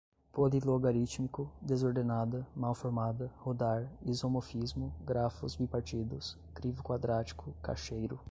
polilogarítmico, desordenada, mal-formada, rodar, isomofismo, grafos bipartidos, crivo quadrático, cacheiro